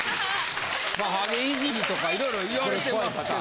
まあハゲイジりとかいろいろ言われてますけど。